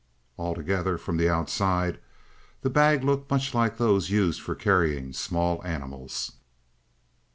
Altogether, from the outside, the bag looked much like those used for carrying small animals.